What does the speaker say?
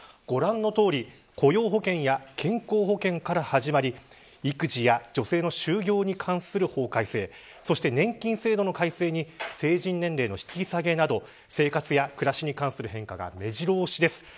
ご覧のとおり雇用保険や健康保険から始まり育児や女性の就業に関する法改正そして年金制度の改正に成人年齢の引き下げなど生活や暮らしに関する変化がめじろ押しです。